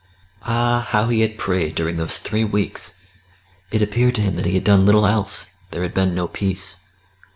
Ah! how he had prayed during those three weeks! It appeared to him that he had done little else; there had been no peace.